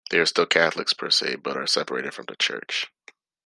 They are still Catholics per se, but are separated from the Church.